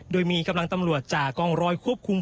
โดยมีกำลังตำรวจจากกองร้อยควบคุม